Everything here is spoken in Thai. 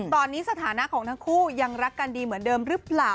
ตอนนี้สถานะของทั้งคู่ยังรักกันดีเหมือนเดิมหรือเปล่า